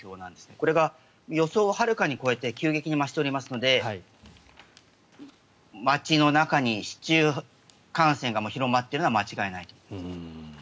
これが予想をはるかに超えて急激に増しておりますので街の中に市中感染が広まっているのは間違いないと。